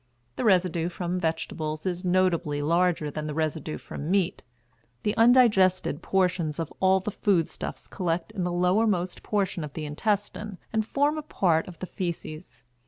The residue from vegetables is notably larger than the residue from meat. The undigested portions of all the food stuffs collect in the lowermost portion of the intestine and form a part of the feces.